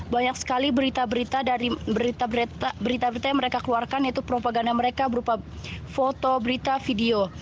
banyak sekali berita berita yang mereka keluarkan yaitu propaganda mereka berupa foto berita video